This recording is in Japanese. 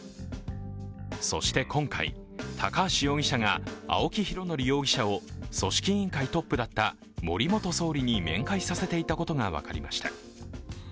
そして今回、高橋容疑者が青木拡憲容疑者を組織委員会トップだった森元総理に面会させていたことが分かりました。